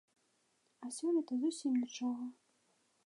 А сёлета зусім нічога.